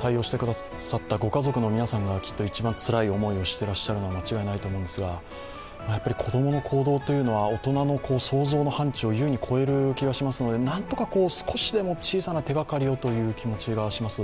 対応してくださったご家族の皆さんがきっと一番つらい思いをしていらっしゃるのは間違いないのですが、子供の行動というのは大人の想像の範疇を優に超える気がしますのでなんとか少しでも小さな手がかりをという気持ちがします。